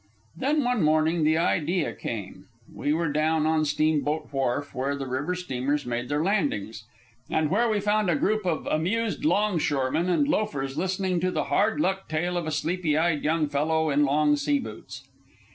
Then one morning the idea came. We were down on Steamboat Wharf, where the river steamers made their landings, and where we found a group of amused long shoremen and loafers listening to the hard luck tale of a sleepy eyed young fellow in long sea boots.